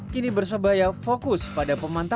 kini persebaya fokus pada pemantauan